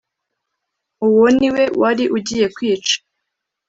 uwo ni we wari ugiye kwica